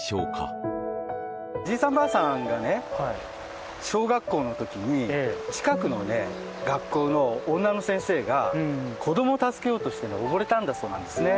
おじいさんとおばあさんが小学校くらいの時に近くの学校の女の先生が教え子を助けようとして溺れたんだそうですね。